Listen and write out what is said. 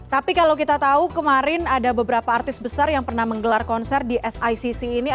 tapi kalau kita tahu kemarin ada beberapa artis besar yang pernah menggelar konser di sicc ini